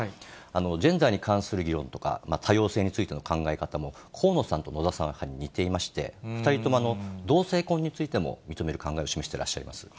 ジェンダーに関する議論とか、多様性についての考え方も河野さんと野田さんは、やはり似ていまして、２人とも同性婚についても認める考えを示してらっしゃいます。